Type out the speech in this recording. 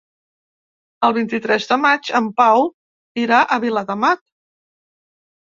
El vint-i-tres de maig en Pau irà a Viladamat.